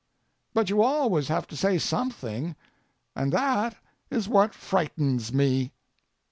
But you always have to say something, and that is what frightens me.